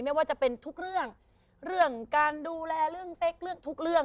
ไม่ว่าจะเป็นทุกเรื่องเรื่องการดูแลเรื่องเซ็กเรื่องทุกเรื่อง